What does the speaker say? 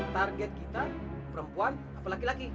target kita perempuan atau laki laki